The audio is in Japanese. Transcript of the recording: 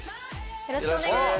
よろしくお願いします。